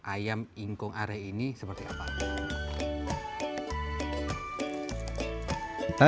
ayam ingkung are ini seperti apa